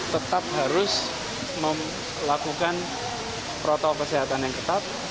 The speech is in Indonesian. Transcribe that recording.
tetap harus melakukan protokol kesehatan yang ketat